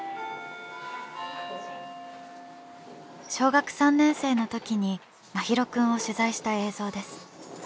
小学３年生のときに真浩くんを取材した映像です。